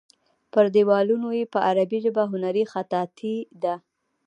پر دیوالونو یې په عربي ژبه هنري خطاطي ده.